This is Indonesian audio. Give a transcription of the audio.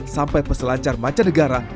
sampai peselancar mancanegara